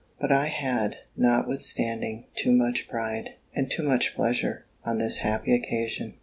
But I had, notwithstanding too much pride, and too much pleasure, on this happy occasion.